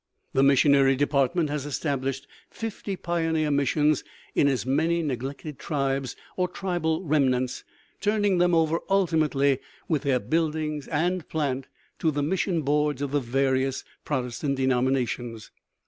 The missionary department has established fifty pioneer missions in as many neglected tribes or tribal remnants, turning them over ultimately, with their buildings and plant, to the mission boards of the various Protestant denominations.